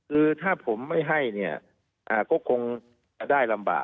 คือถ้าผมไม่ให้เนี่ยก็คงได้ลำบาก